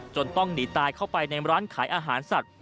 ต้องหนีตายเข้าไปในร้านขายอาหารสัตว์